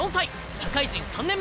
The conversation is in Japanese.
社会人３年目